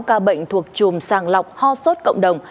các ca bệnh thuộc chùm sàng lọc ho sốt cộng đồng